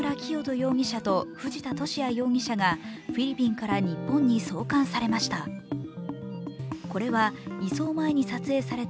容疑者と藤田聖也容疑者がフィリピンから日本に送還されました。